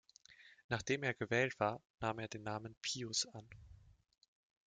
Nachdem er gewählt war, nahm er den Namen Pius an.